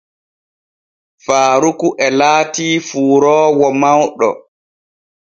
Faaruku e laatii fuuroowo mawɗo.